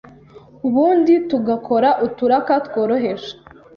ubundi tugakora uturaka tworoheje.